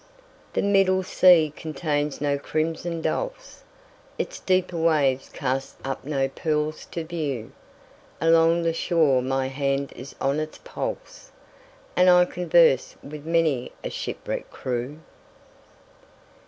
The middle sea contains no crimson dulse, Its deeper waves cast up no pearls to view; Along the shore my hand is on its pulse, And I converse with many a shipwrecked crew.